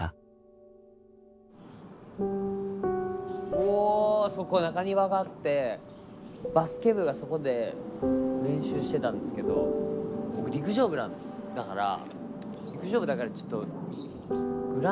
うおそこ中庭があってバスケ部がそこで練習してたんですけど僕陸上部だから陸上部だからちょっとグラウンド見ていいですか？